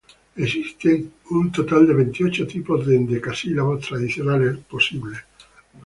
Existen un total de veintiocho tipos de endecasílabos tradicionales posibles.